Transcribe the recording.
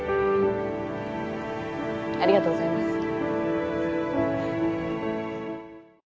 ありがとうございます。